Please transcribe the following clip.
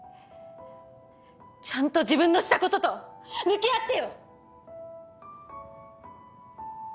ちゃんと自分のしたことと向き合ってよ！